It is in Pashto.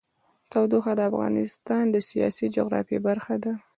تودوخه د افغانستان د سیاسي جغرافیه برخه ده.